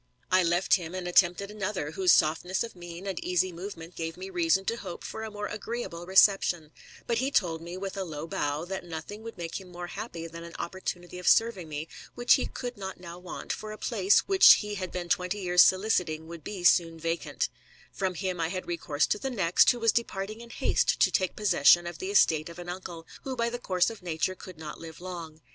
I left him, and attempted another, whose softness of mien, and easy movement, gave me reason to hope for a more agreeable reception ; but he told me, with a low bow, that nothing would make him more happy than an opportunity of serving me, which he could not now want, for a place which be bad been twenty years soliciting would be soon vacant From him I had recourse to the next, who was deporting in haste to take possession of the estate of an unde, who by the course of nature could not live long.